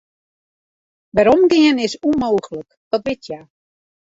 Weromgean is ûnmooglik, dat wit hja.